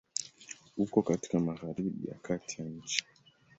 Uko katika Magharibi ya Kati ya nchi.